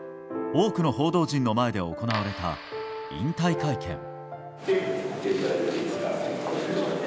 多くの報道陣の前で行われた引退会見。